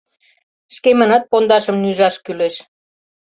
Шкемынат пондашым нӱжаш кӱлеш.